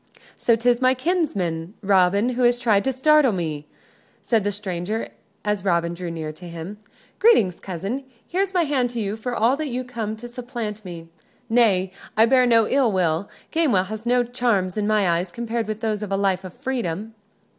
"So, 'tis my kinsman, Robin, who has tried to startle me?" said the stranger, as Robin drew near to him. "Greetings, cousin; here's my hand to you for all that you come to supplant me. Nay! I bear no ill will. Gamewell has no charms in my eyes compared with those of a life of freedom."